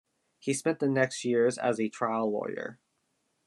He spent the next years as a trial lawyer.